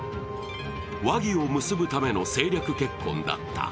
和議を結ぶための政略結婚だった。